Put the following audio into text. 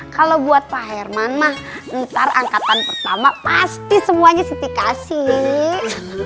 kalau buat pak herman mah ntar angkatan pertama pasti semuanya siti kasih